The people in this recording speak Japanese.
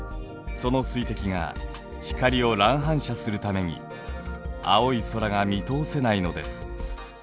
その水滴が光を乱反射するために青い空が見通せないのです。